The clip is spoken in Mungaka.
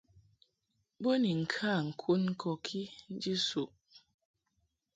Bo ni ŋka ŋkun kɔki nji suʼ.